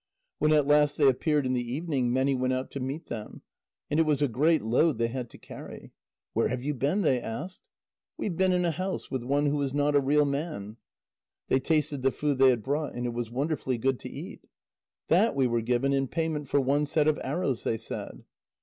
When at last they appeared in the evening, many went out to meet them. And it was a great load they had to carry. "Where have you been?" they asked. "We have been in a house with one who was not a real man." They tasted the food they had brought. And it was wonderfully good to eat. "That we were given in payment for one set of arrows," they said.